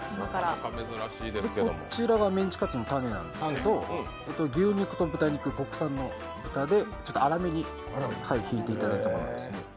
こちらがメンチカツのタネなんですけど牛肉と豚肉、国産で、粗めにひいていただきます。